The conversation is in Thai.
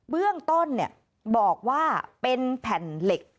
เบื้องต้นบอกว่าเป็นแผ่นเหล็ก